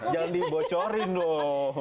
jangan dibocorin loh